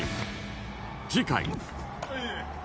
次回